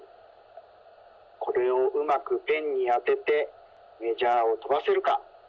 これをうまくペンにあててメジャーをとばせるか。